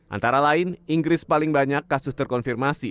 antara lain inggris paling banyak kasus terkonfirmasi